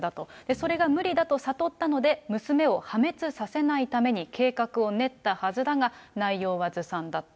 それがむりだと悟ったので、娘を破滅させないために計画を練ったはずだが、内容はずさんだった。